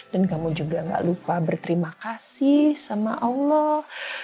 dan kamu juga gak lupa berterima kasih sama allah